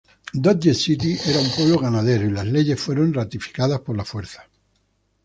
Dodge City era un "pueblo ganadero", y las leyes fueron ratificadas por la fuerza.